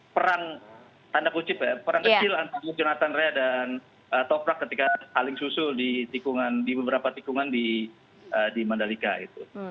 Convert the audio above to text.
perang tanda kunci perang kecil antara jonathan ray dan toprak ketika aling susul di beberapa tikungan di mandali kai itu